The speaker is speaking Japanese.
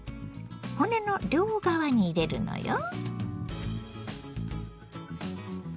骨の両側に入れるのよ。